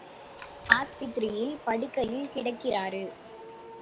ஆஸ்பத்திரியில் படுக்கையிலே கிடக்கிறாரு!